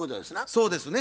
そうですね。